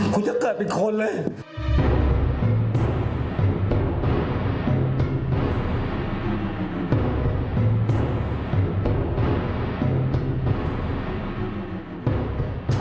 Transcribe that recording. คุณจะเกิดเป็นคนเลย